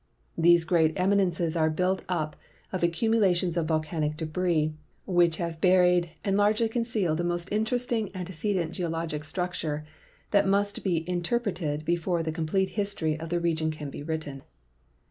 These great eminences are built up of accumulations of volcanic debris, which have buried and largely concealed a most interesting antecedent geologic structure that must be interpreted before the complete history of the re gion can be written.